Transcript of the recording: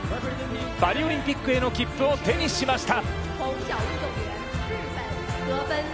パリオリンピックへの切符を手にしました。